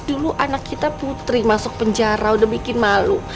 dulu anak kita putri masuk penjara udah bikin malu